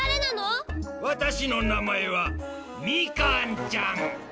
わたしのなまえはみかんちゃん！